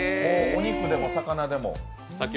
お肉でも魚でも。